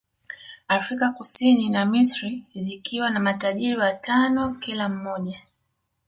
Afrika Kusini na Misri zikiwa na matajiri watano kila mmoja